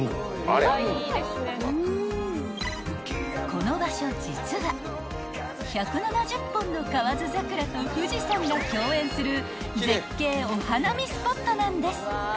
［この場所実は１７０本の河津桜と富士山が共演する絶景お花見スポットなんです］